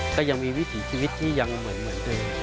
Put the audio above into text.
ก็ยังมีวิถีชีวิตที่ยังเหมือนตัวเอง